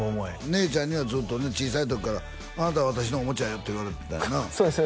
姉ちゃんにはずっとね小さい時から「あなたは私のおもちゃや」と言われてたんよなそうです